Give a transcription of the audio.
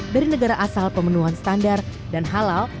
dari negara asal pemenuhan standar dan halal